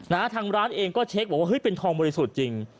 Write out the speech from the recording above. ทางร้านเองก็เช็คบอกว่าเฮ้ยเป็นทองบริสุทธิ์จริง